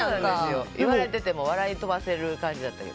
言われてても笑い飛ばせる感じだったけど。